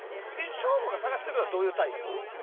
省吾が探してるのはどういうタイプ？